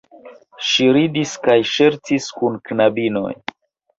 Ŝi ridis kaj ŝercis kun knabinoj.